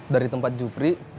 dari tempat jupri